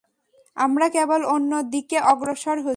আমরা কেবল অন্য দিকে অগ্রসর হচ্ছি।